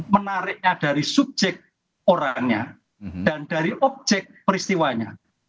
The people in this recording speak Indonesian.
menariknya dari subjek orangnya dan dari objek peristiwanya